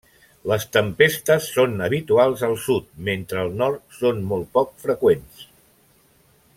Les tempestes són habituals al sud, mentre al nord són molt poc freqüents.